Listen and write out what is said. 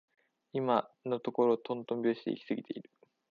今のところとんとん拍子で行き過ぎている